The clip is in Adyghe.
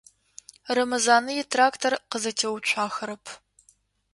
Рэмэзанэ итрактор къызэтеуцуахэрэп.